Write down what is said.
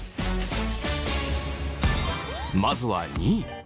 まずは２位。